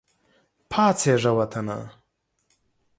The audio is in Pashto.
پاڅیږه وطنه !